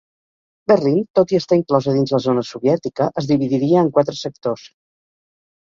Berlín, tot i estar inclosa dins la zona soviètica, es dividiria en quatre sectors.